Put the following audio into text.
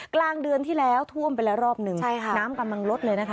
กลางเดือนที่แล้วท่วมไปละรอบหนึ่งน้ำกำลังลดเลย